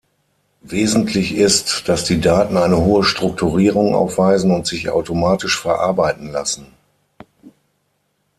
Wesentlich ist, dass die Daten eine hohe Strukturierung aufweisen und sich automatisch verarbeiten lassen.